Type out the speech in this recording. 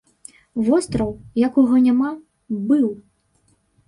Востраў, якога няма, быў!